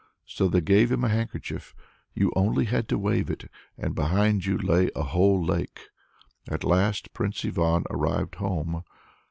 So they gave him a handkerchief; you only had to wave it, and behind you lay a whole lake! At last Prince Ivan arrived at home.